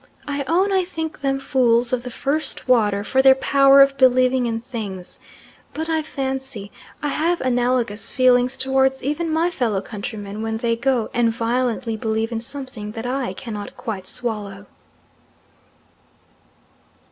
I own I think them fools of the first water for their power of believing in things; but I fancy I have analogous feelings towards even my fellow countrymen when they go and violently believe in something that I cannot quite swallow.